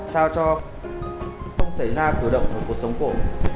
sao cho không xảy ra cử động một cuộc sống cổ